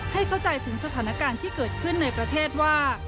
เข้าใจถึงสถานการณ์ที่เกิดขึ้นในประเทศว่า